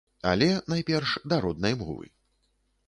Але, найперш, да роднай мовы.